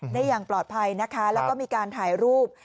ได้อย่างปลอดภัยนะคะแล้วก็มีการถ่ายรูป